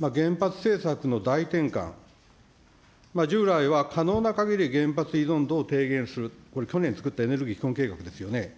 原発政策の大転換、従来は可能なかぎり原発依存度を提言する、これ、去年作ったエネルギー基本計画ですよね。